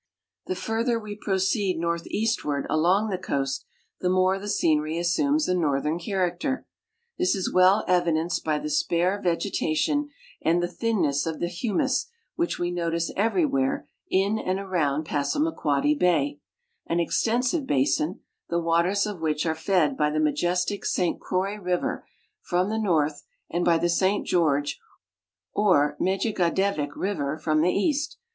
The further we proceed northeastward along the coast, the more the scenery assumes a northern character. This is well evidenced by the spare vegetation and the thinness of the humus which we notice everywhere in and around Passamaquoddy bay, an extensive basin, the waters of which are fed by the majestic St Croix river from the north and by the St George or Megigadevic river from the east.